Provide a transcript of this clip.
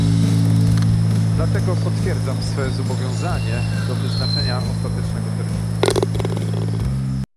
Dlatego potwierdzam swe zobowiązanie do wyznaczenia ostatecznego terminu